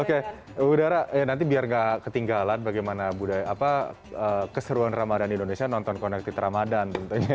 oke budara nanti biar gak ketinggalan bagaimana budaya apa keseruan ramadhan indonesia nonton connected ramadhan tentunya